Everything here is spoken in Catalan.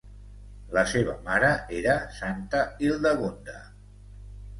La seva mare era santa Hildegunda.